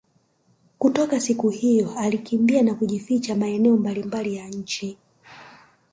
Kutoka siku hiyo alikimbia na kujificha maeneo mbali mbali ya nchi